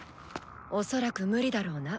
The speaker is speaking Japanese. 恐らくムリだろうな。